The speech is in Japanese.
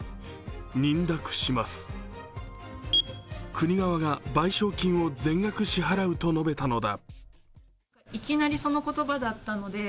国側が賠償金を全額支払うと述べたのだ。